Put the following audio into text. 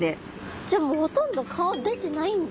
じゃあもうほとんど顔出てないんだ。